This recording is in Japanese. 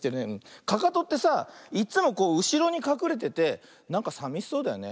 かかとってさいっつもこううしろにかくれててなんかさみしそうだよね。